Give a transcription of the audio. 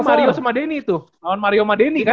mario sama denny itu lawan mario sama denny kan